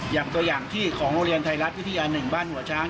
อย่างตัวอย่างที่ของโรงเรียนไทยรัฐวิทยา๑บ้านหัวช้าง